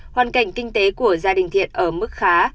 hoàn cảnh kinh tế của gia đình thiện ở mức khá